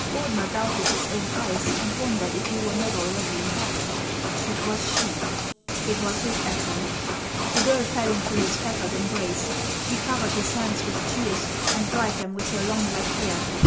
Ordener doubted his own eyes, and wondered if he were not already in heaven. It was she ; it was his Ethel .' The girl fell into his fettered embrace ; she covered his hands with tears, and dried them with her long black hair.